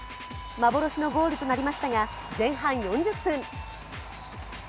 幻のゴールとなりましたが前半４０分